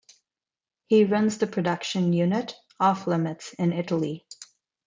He runs the production unit Off Limits in Italy.